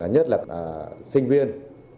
nhất là sinh viên